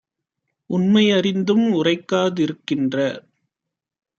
உண்மை யறிந்தும் உரைக்கா திருக்கின்ற